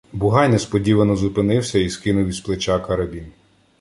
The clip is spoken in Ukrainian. Бугай несподівано зупинився і скинув із плеча карабін.